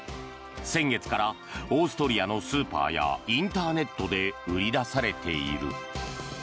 先月からオーストリアのスーパーやインターネットで売り出されている。